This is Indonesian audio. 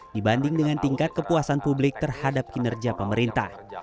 dibanding dengan tingkat kepuasan publik terhadap kinerja pemerintah